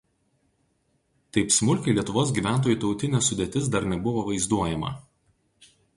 Taip smulkiai Lietuvos gyventojų tautinė sudėtis dar nebuvo vaizduojama.